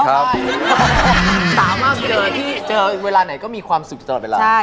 สาวมากเจอเวลาไหนก็มีความสุขตลอดเวลา